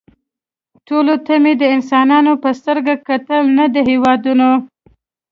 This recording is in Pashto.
ټولو ته مې د انسانانو په سترګه کتل نه د هېوادونو